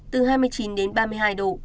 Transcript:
từ hai mươi chín đến ba mươi hai độ